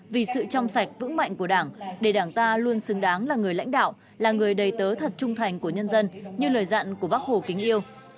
vì sự trong sạch vững mạnh của đảng để đảng ta luôn xứng đáng là người lãnh đạo là người đầy tớ thật trung thành của nhân dân như lời dặn của bác hồ kính yêu